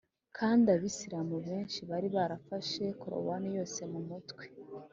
kandi abisilamu benshi bari barafashe korowani yose mu mutwe.